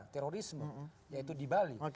terorisme yaitu di bali